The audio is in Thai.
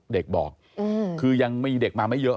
เด็กบอกคือยังมีเด็กมาไม่เยอะ